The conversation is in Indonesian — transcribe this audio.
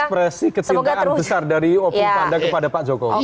ekspresi ketindahan besar dari opung tanda kepada pak jokowi